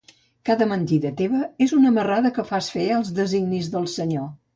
Cada mentida teva és una marrada que fas fer als designis del Senyor.